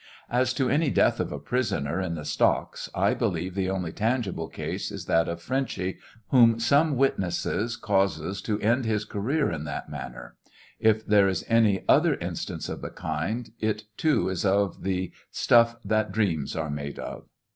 As to any death of a prisoner in the stocks I believe the only tangible case is that of Frenchy, whom some witness causes to end his career in that manner. If there is any other instance of the kind, it too is of the " stuff that dreams are made of."